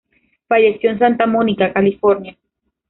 Falleció en Santa Monica, California.